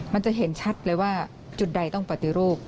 มันจะเห็นชัดเลยว่าจุดใดต้องปฏิรูป